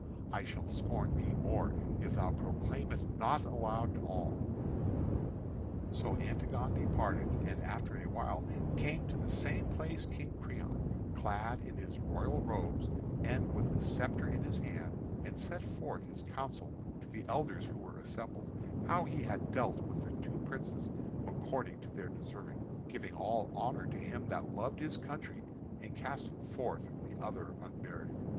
I shall scorn thee more if thou proclaim it not aloud to all." So Antigone departed; and after a while came to the same place King Creon, clad in his royal robes, and with his sceptre in his hand, and set forth his counsel to the elders who were assembled, how he had dealt with the two princes according to their deserving, giving all honour to him that loved his country and casting forth the other unburied.